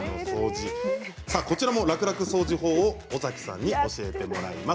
楽々掃除法を尾崎さんに教えてもらいます。